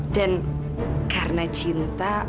dan karena cinta